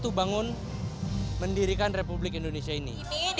untuk bangun mendirikan republik indonesia ini